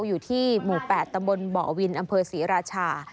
อยู่ที่หมู่๘ตำบลบ่อวินอำเภอศรีราชา